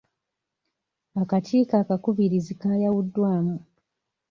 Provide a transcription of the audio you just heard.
Akakiiko akakubirizi kaayawuddwamu.